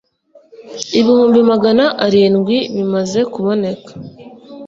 ibihumbi magana arindwi bimaze kuboneka